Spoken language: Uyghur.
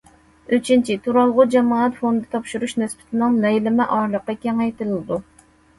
ئۈچىنچى، تۇرالغۇ جامائەت فوندى تاپشۇرۇش نىسبىتىنىڭ لەيلىمە ئارىلىقى كېڭەيتىلىدۇ.